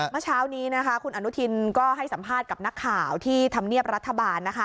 เมื่อเช้านี้คุณอนุทินก็ให้สัมภาษณ์กับนักข่าวที่ธรรมเนียบรัฐบาล